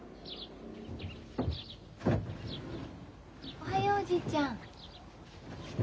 おはようおじいちゃん。